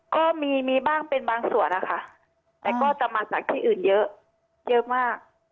ก็มีมีบ้างเป็นบางส่วนนะคะแต่ก็จะมาจากที่อื่นเยอะเยอะมาก